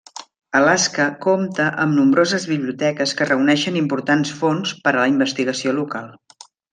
Alaska compta amb nombroses biblioteques que reuneixen importants fons per a la investigació local.